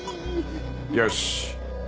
よし。